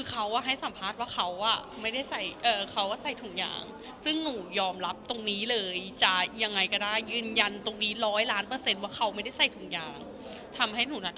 เอ่อเออเขาโต้ถุงยางว่ามืนยันตัวเนี้ยยืนยันตรงนี้ร้อยล้านเปอร์เซ็นต์ว่าเขาไม่ได้ใส่ถุงยางทำให้หนูหนัดหอบ